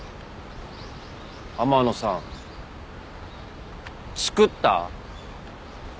天野さんチクった？